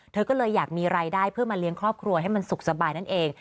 เธอก็เลยอยากมีรายได้เพื่อมาเลี้ยงครอบครัวให้มันสุขสบายนั่นเอง